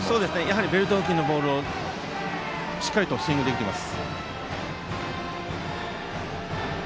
ベルト付近のボールをしっかりスイングできています。